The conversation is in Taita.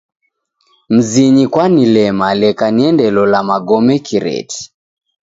Mzinyi kwanilema leka niendelola magome kireti.